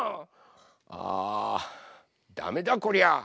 あダメだこりゃ。